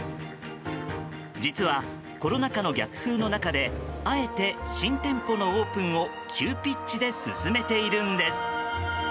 実は、コロナ禍の逆風の中であえて新店舗のオープンを急ピッチで進めているのです。